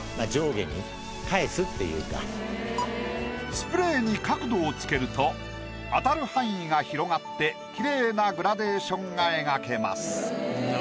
スプレーに角度をつけると当たる範囲が広がってきれいなグラデーションが描けます。